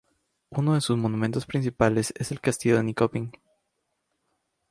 Uno de sus monumentos principales es el Castillo de Nyköping.